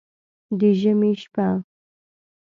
د ژمي شپه